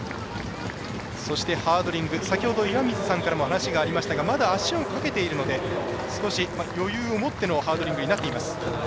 そして、ハードリング岩水さんからも話がありましたがまだ足をかけているので少し余裕を持ってのハードリングになっています。